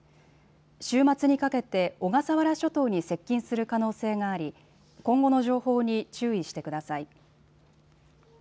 週末にかけて小笠原諸島に接近する可能性があり今後の情報に注意してください。